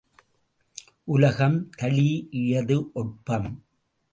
உலகம் தழீஇயது ஒட்பம்!